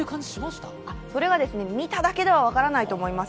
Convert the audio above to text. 見ただけでは分からないと思います。